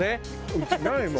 うちないもん。